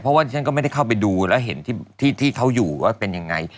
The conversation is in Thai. เพราะว่าฉันก็ไม่ได้เข้าไปดูแล้วเห็นที่เขาอยู่ว่าเป็นยังไง